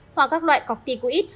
hoặc các loại cọc ti cú ít